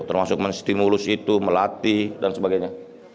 termasuk menstimulus itu melatih dan sebagainya